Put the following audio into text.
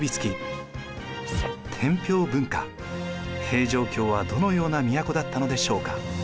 平城京はどのような都だったのでしょうか？